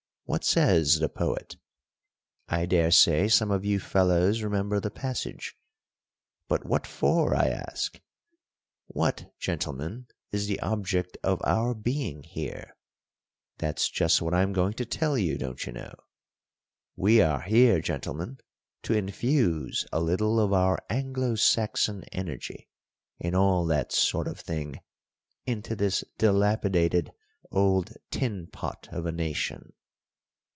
What says the poet? I daresay some of you fellows remember the passage. But what for, I ask! What, gentlemen, is the object of our being here? That's just what I'm going to tell you, don't you know. We are here, gentlemen, to infuse a little of our Anglo Saxon energy, and all that sort of thing, into this dilapidated old tin pot of a nation."